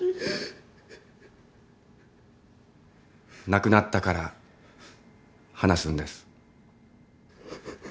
亡くなったから話すんです。